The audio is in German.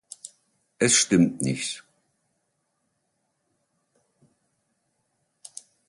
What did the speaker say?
Es stimmt nicht.